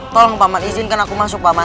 tolong paman izinkan aku masuk paman